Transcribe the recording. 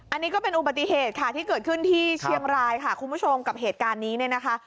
อันนี้ก็เป็นอุบัติเหตุค่ะที่เกิดขึ้นที่เชียงรายค่ะคุณผู้ชมกับเหตุการณ์นี้เนี่ยนะคะ